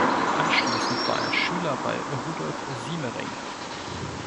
Anschließend war er Schüler bei Rudolf Siemering.